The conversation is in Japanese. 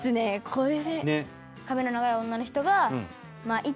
これ？